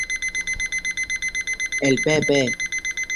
Para llegar a lo concreto en lo inter-cultural, es decir a lo 'subjetivo'.